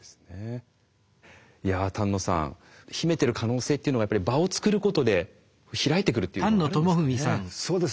丹野さん秘めてる可能性っていうのがやっぱり場をつくることで開いてくるっていうのがあるんですかね。